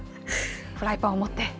フライパンを持って。